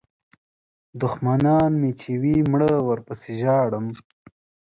دوښمنان مې چې وي مړه ورپسې ژاړم.